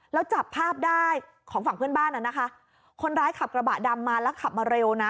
แล้วจับภาพได้ของฝั่งเพื่อนบ้านน่ะนะคะคนร้ายขับกระบะดำมาแล้วขับมาเร็วนะ